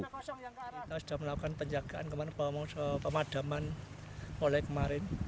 kita sudah melakukan penjagaan kemana mana pemadaman mulai kemarin